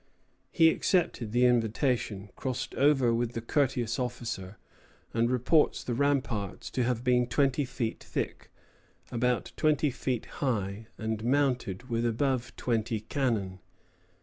He accepted the invitation, crossed over with the courteous officer, and reports the ramparts to have been twenty feet thick, about twenty feet high, and mounted with above twenty cannon.